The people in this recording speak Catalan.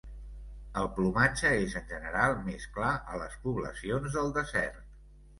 El plomatge és en general més clar a les poblacions del desert.